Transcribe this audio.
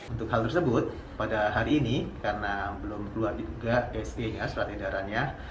untuk hal tersebut pada hari ini karena belum keluar juga se nya surat edarannya